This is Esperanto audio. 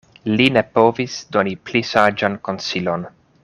Li ne povis doni pli saĝan konsilon.